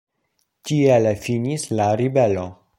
Tiele finis la ribelo.